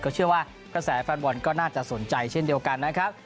เชื่อว่ากระแสแฟนบอลก็น่าจะสนใจเช่นเดียวกันนะครับ